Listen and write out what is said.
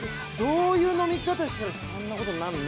どういう飲み方したらそんなことになるの？